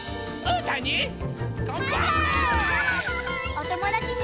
おともだちに。